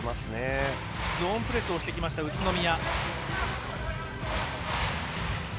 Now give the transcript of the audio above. ゾーンプレスをしてきた宇都宮。